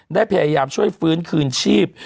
ได้พยายามช่วยฟื้นคืนชีพ